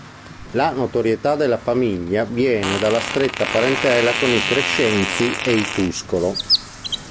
La notorietà della famiglia viene dalla stretta parentela con i Crescenzi e i Tuscolo.